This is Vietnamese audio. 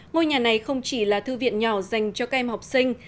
ngôi nhà này không chỉ là thư viện nhỏ dành cho các em học sinh